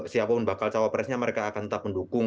siapapun bakal cawapresnya mereka akan tetap mendukung